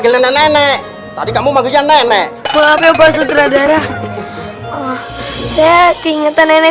nilai nenek tadi kamu magisnya nenek bahwa pasutradara saya teringat nenek